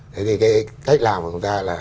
thế thì cái cách làm của chúng ta là